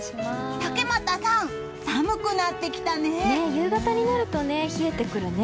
竹俣さん、寒くなってきたね。